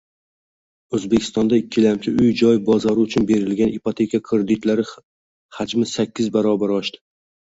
O‘zbekistonda ikkilamchi uy-joy bozori uchun berilgan ipoteka kreditlari hajmisakkizbarobar oshdi